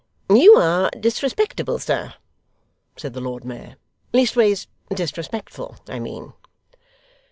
'You are disrespectable, sir,' said the Lord Mayor 'leastways, disrespectful I mean.